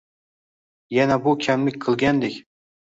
Yana bu kamlik qilgandek.